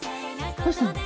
どうしたの？